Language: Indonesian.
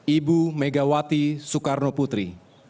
ibu megawati soekarnoputri